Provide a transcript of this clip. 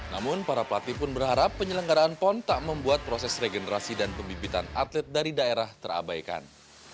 namun para pelatih pun berharap penyelenggaraan pon tak membuat proses regenerasi dan pembibitan atlet dari daerah terabaikan